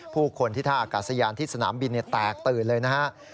ผู้คนที่ท่าอากาศยานที่สนามบินแตกตื่นเลยนะครับ